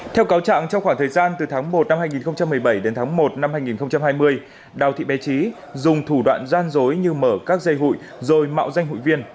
theo cáo trạng trong khoảng thời gian từ tháng một năm hai nghìn một mươi bảy đến tháng một năm hai nghìn hai mươi đào thị bé trí dùng thủ đoạn gian dối như mở các dây hụi rồi mạo danh hụi viên